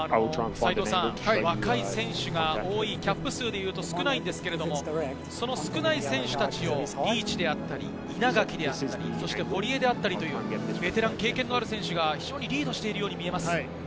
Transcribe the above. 若い選手が多い、キャップ数でいうと少ないんですけれど、その少ない選手たちを、リーチであったり、稲垣であったり、そして堀江だったりというベテラン、経験のある選手がリードしているように見えます。